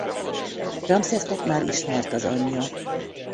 Ramszesznek már ismert az anyja.